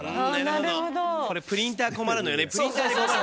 これプリンター困るのよね